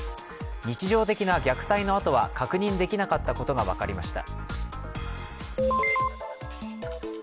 日常的な虐待の痕は確認できなかったことが分かりました。